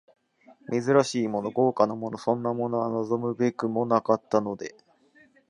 珍しいもの、豪華なもの、そんなものは望むべくもなかったので、